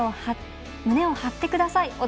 胸を張ってください！